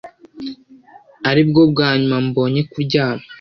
aribwo bwa nyuma mbonye kuryama